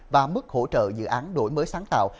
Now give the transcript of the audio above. và mức hỗ trợ dự án đổi mới sáng tạo